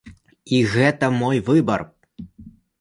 І гэта мой выбар.